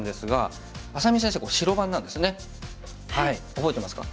覚えてますか？